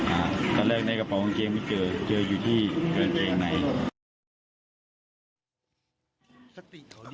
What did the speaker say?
อ่าตอนแรกในกระเป๋าอังเกงไม่เจอเจออยู่ที่ในแรงไหน